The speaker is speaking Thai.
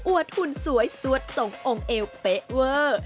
หุ่นสวยสวดส่งองค์เอวเป๊ะเวอร์